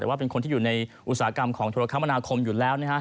แต่ว่าเป็นคนที่อยู่ในอุตสาหกรรมของธุรกรรมนาคมอยู่แล้ว